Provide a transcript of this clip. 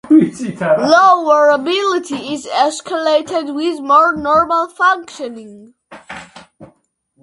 Low variability is associated with more normal functioning.